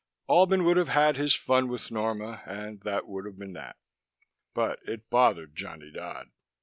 Albin would have had his fun with Norma, and that would have been that. But it bothered Johnny Dodd.